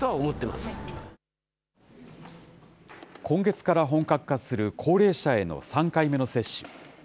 今月から本格化する高齢者への３回目の接種。